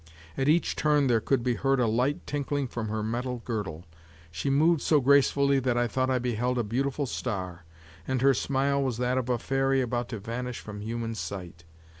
At each turn there could be heard a light tinkling from her metal girdle; she moved so gracefully that I thought I beheld a beautiful star, and her smile was that of a fairy about to vanish from human sight.